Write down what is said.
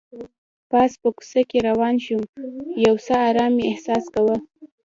پاس په کوڅه کې روان شوم، یو څه ارام مې احساس کاوه.